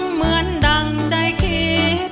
เหมือนดั่งใจคิด